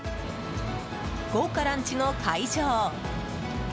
豪華ランチの会場